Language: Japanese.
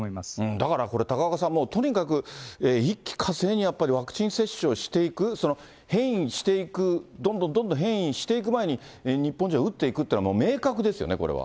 だからこれ、高岡さん、もうとにかく一気かせいにやっぱり、ワクチン接種をしていく、変異していく、どんどんどんどん変異していく前に、日本人、打っていくというのは、明確ですよね、これは。